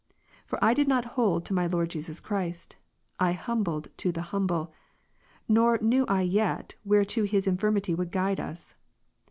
For I did not hold to my Lord Jesus Christ, I humbled to the Humble ; nor knew I yet whereto His infirmity would guide us.